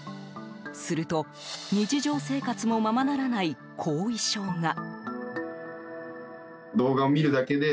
すると、日常生活もままならない後遺症が。